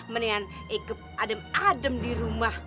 mendingan ikut adem adem di rumah